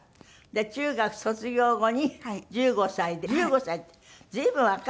中学卒業後に１５歳で１５歳って随分若いですよね。